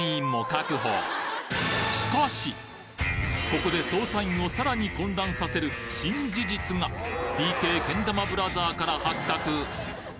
ここで捜査員をさらに混乱させる新事実がＢ系けん玉ブラザーから発覚！